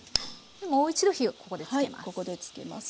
もう一度火をここでつけます。